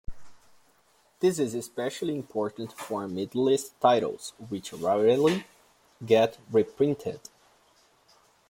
This is especially important for midlist titles, which rarely get reprinted.